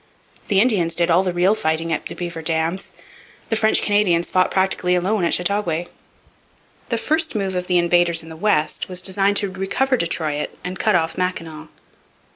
The Indians did all the real fighting at the Beaver Dams. The French Canadians fought practically alone at Chateauguay. The first move of the invaders in the West was designed to recover Detroit and cut off Mackinaw.